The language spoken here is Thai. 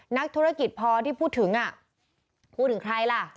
นักธุรกิจพอที่พูดถึงพูดถึงใครล่ะ